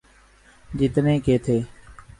جتنے کے تھے۔